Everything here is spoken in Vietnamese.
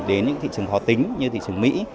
đến những thị trường khó tính như thị trường mỹ